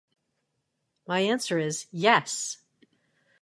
My answer is, yes.